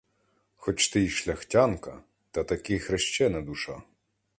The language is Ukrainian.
Хоч ти й шляхтянка, та таки хрещена душа.